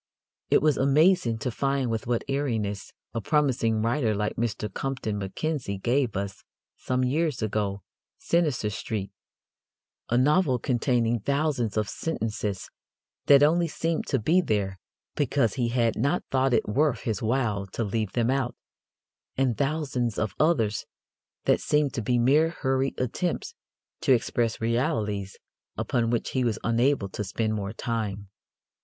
It was amazing to find with what airiness a promising writer like Mr. Compton Mackenzie gave us some years ago Sinister Street, a novel containing thousands of sentences that only seemed to be there because he had not thought it worth his while to leave them out, and thousands of others that seemed to be mere hurried attempts to express realities upon which he was unable to spend more time.